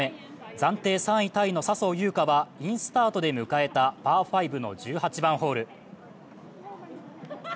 暫定３位タイの笹生優花はインスタートで迎えたパー５の１８番ホール。